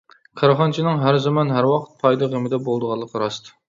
كارخانىچىنىڭ ھەر زامان ھەر ۋاقىت پايدا غېمىدە بولىدىغانلىقى راست.